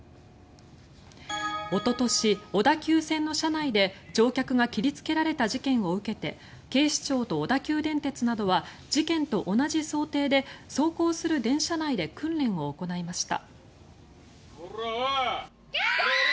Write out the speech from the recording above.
おととし、小田急線の車内で乗客が切りつけられた事件を受けて警視庁と小田急電鉄などは事件と同じ想定で走行する電車内で訓練を行いました。